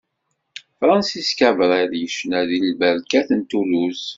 Francis Cabrel yecna deg lberkat n Toulouse.